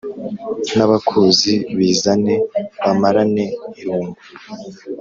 N'abakuzi bizane bamarane irungu